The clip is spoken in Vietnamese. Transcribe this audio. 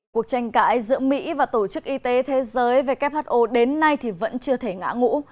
cuộc tranh cãi giữa mỹ và tổ chức y tế thế giới who đến nay thì vẫn chưa thể ngã ngũ